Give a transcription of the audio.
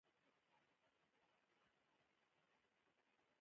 مشرانو ما ته وويل چې ته خو په کوټه کښې بلد يې.